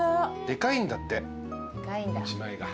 でかいんだって１枚が。